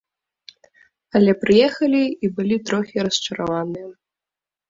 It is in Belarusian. Але прыехалі і былі трохі расчараваныя.